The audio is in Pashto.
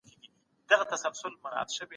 ځينې سياسي تيورۍ يوازې خيالي او ايډيالي بڼه لري.